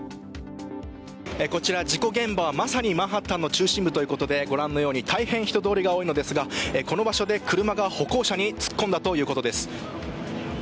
こちら、事故現場はまさにマンハッタンの中心部ということでご覧のように大変人通りが多いのですがこの場所で、車が歩行者に突っ込んだということです。